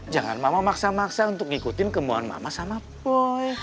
jangan mama maksa maksa untuk ngikutin kemuan mama sama pu